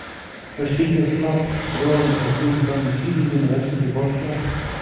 Her senior club rowing has been from the Sydney University Boat Club.